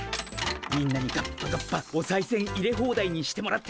みんなにガッパガッパおさいせん入れホーダイにしてもらって。